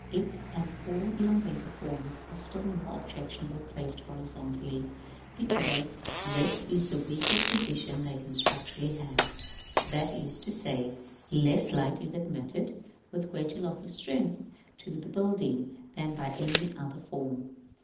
It, and all elongated forms, are still more objectionable placed horizontally, because this is the weakest position they can structurally have; that is to say, less light is admitted, with greater loss of strength to the building, than by any other form.